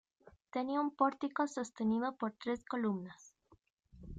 Tenía un pórtico sostenido por tres columnas.